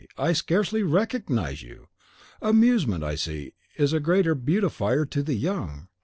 I scarcely recognise you! Amusement, I see, is a great beautifier to the young.